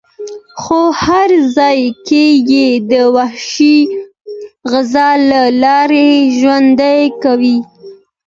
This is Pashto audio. خو هر ځای کې یې د وحشي غذا له لارې ژوند کاوه.